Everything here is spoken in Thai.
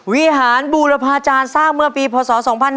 วิหารบูรพาจารย์สร้างเมื่อปีพศ๒๕๕๙